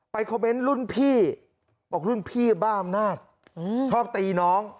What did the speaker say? ไปคอมเม้นต์ลุ้นพี่บ้าอำนาจชอบตีน้อง